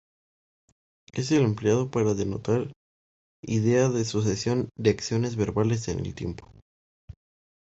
Es el empleado para denotar idea de sucesión de acciones verbales en el tiempo.